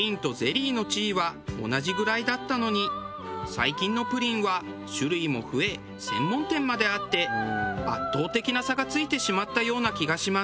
最近のプリンは種類も増え専門店まであって圧倒的な差がついてしまったような気がします。